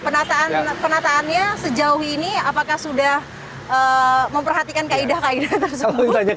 penataan penataannya sejauh ini apakah sudah memperhatikan kaedah kaedah tersebut